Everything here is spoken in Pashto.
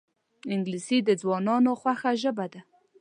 انګلیسي د ځوانانو خوښه ژبه ده